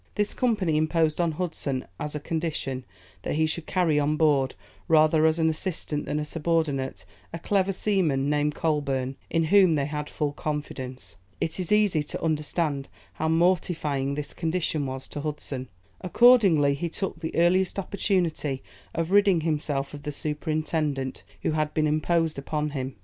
This company imposed on Hudson as a condition, that he should carry on board, rather as an assistant than as a subordinate, a clever seaman, named Coleburne, in whom they had full confidence. It is easy to understand how mortifying this condition was to Hudson. Accordingly, he took the earliest opportunity of ridding himself of the superintendent who had been imposed upon him.